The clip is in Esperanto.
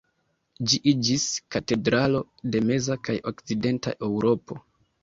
Ĝi iĝis katedralo de meza kaj okcidenta Eŭropo.